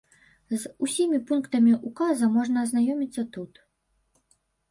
З усімі пунктамі ўказа можна азнаёміцца тут.